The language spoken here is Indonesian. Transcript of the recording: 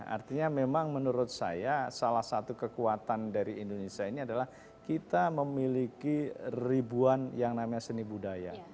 artinya memang menurut saya salah satu kekuatan dari indonesia ini adalah kita memiliki ribuan yang namanya seni budaya